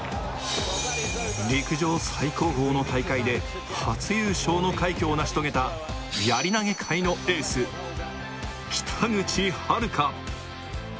陸上最高峰の大会で初優勝の快挙を成し遂げたやり投界のエース北口榛花